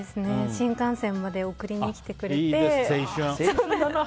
新幹線まで送りに来てくれて。